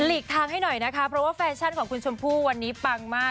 หกทางให้หน่อยนะคะเพราะว่าแฟชั่นของคุณชมพู่วันนี้ปังมาก